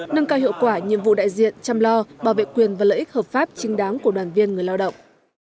nâng cao hiệu quả nhiệm vụ đại diện chăm lo bảo vệ quyền và lợi ích hợp pháp chính đáng của đoàn viên người lao động